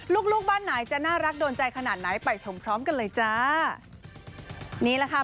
ลูกลูกบ้านไหนจะน่ารักโดนใจขนาดไหนไปชมพร้อมกันเลยจ้านี่แหละค่ะ